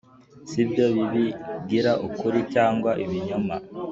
si byo bibigira ukuri cyangwa ibinyoma